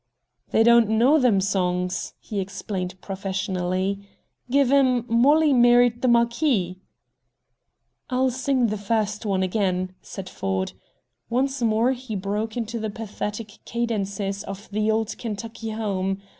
"They don't know them songs," he explained professionally. "Give 'em, 'Mollie Married the Marquis.'" "I'll sing the first one again," said Ford. Once more he broke into the pathetic cadences of the "Old Kentucky Home."